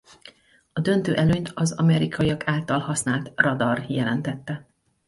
A döntő előnyt az amerikaiak által használt radar jelentette.